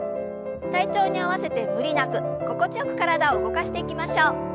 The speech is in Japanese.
体調に合わせて無理なく心地よく体を動かしていきましょう。